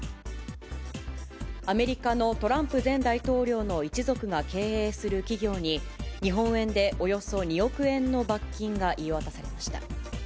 アメリカのトランプ前大統領の一族が経営する企業に、日本円でおよそ２億円の罰金が言い渡されました。